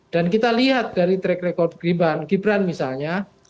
dan kita lihat dari track record gibran misalnya